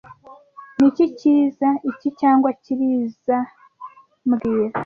Niki cyiza, iki cyangwa kirizoa mbwira